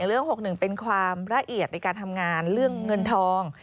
เรื่อง๖๑เป็นความละเอียดในการทำงานเรื่องเงินทอง